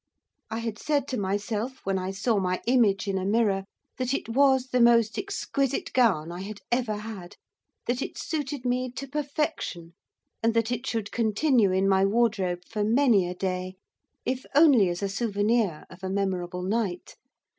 I had said to myself, when I saw my image in a mirror, that it was the most exquisite gown I had ever had, that it suited me to perfection, and that it should continue in my wardrobe for many a day, if only as a souvenir of a memorable night.